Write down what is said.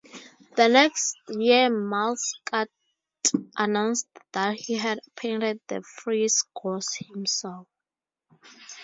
The next year Malskat announced that he had painted the frescoes himself.